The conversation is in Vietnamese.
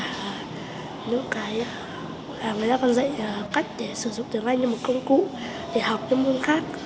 là người ta còn dạy cách để sử dụng tiếng anh như một công cụ để học những môn khác